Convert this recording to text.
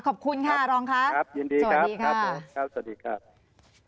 ขอบคุณค่ะรองค์ค่ะสวัสดีครับ